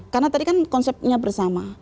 karena tadi kan konsepnya bersama